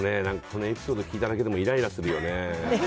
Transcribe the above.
このエピソード聞いただけでもイライラするよね。